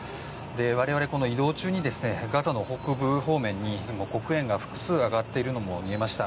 我々、移動中にガザの北部方面に黒煙が複数上がっているのも見えました。